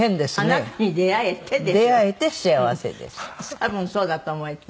多分そうだと思います。